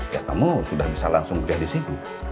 ya kamu sudah bisa langsung kuliah disini